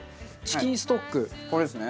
これですね。